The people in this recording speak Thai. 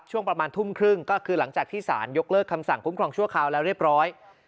ช่วงประมาณทุ่มครึ่งก็คือหลังจากที่สารยกเลิกคำสั่งคุ้มครองชั่วคราวแล้วเรียบร้อย